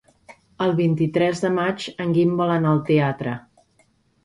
El vint-i-tres de maig en Guim vol anar al teatre.